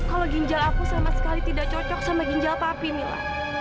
kalau ginjal aku sama sekali tidak cocok sama ginjal papa minta